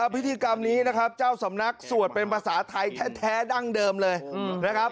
พิธีกรรมนี้นะครับเจ้าสำนักสวดเป็นภาษาไทยแท้ดั้งเดิมเลยนะครับ